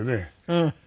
うん。